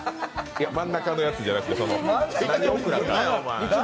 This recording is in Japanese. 真ん中のやつじゃなくて、何オクラか。